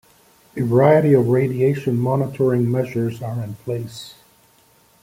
A variety of radiation monitoring measures are in place.